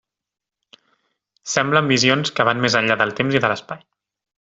Semblen visions que van més enllà del temps i de l'espai.